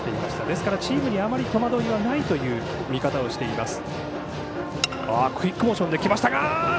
ですから、チームにあまり戸惑いはないという見方をしています。